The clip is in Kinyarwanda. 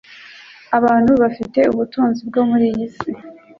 Abantu bafite ubutunzi bwo muri iyi si